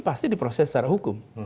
pasti diproses secara hukum